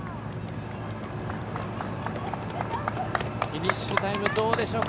フィニッシュタイムどうでしょうか。